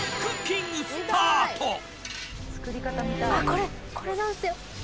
これこれなんすよ。